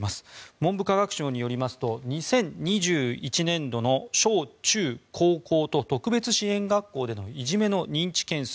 文部科学省によりますと２０２１年度の小中高校と特別支援学校でのいじめの認知件数